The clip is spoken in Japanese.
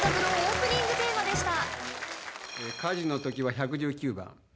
「火事のときは１１９番」